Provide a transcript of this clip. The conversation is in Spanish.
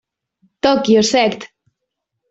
Tokyo, Sect.